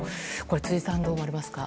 辻さん、どう思われますか？